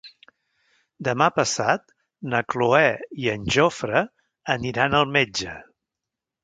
Demà passat na Cloè i en Jofre aniran al metge.